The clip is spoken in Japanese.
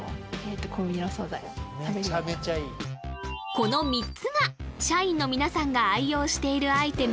この３つが社員の皆さんが愛用しているアイテム